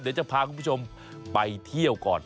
เดี๋ยวจะพาคุณผู้ชมไปเที่ยวก่อน